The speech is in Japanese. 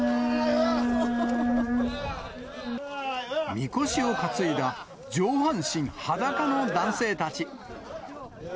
みこしを担いだ上半身裸の男性たち。